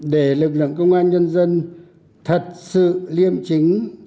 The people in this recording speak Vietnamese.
để lực lượng công an nhân dân thật sự liêm chính